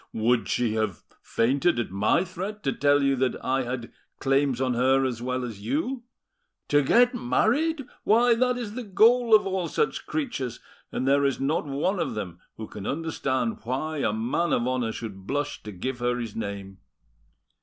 Would she have fainted at my threat to tell you that I had claims on her as well as you? To get married! Why, that is the goal of all such creatures, and there is not one of them who can understand why a man of honour should blush to give her his name.